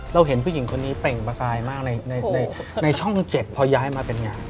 เห็นผู้หญิงคนนี้เปล่งประกายมากในช่อง๗พอย้ายมาเป็นไง